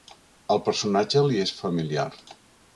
El personatge li és familiar.